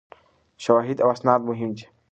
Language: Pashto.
شواهد او اسناد مهم دي.